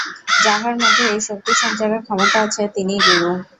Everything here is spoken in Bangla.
যাঁহার মধ্যে এই শক্তি-সঞ্চারের ক্ষমতা আছে, তিনিই গুরু।